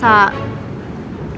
itu ada pasangan